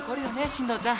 進藤ちゃん。